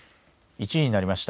１時になりました。